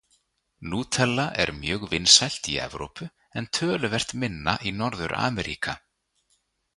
Nútella er mjög vinsælt í Evrópu en töluvert minna í Norður-Ameríka.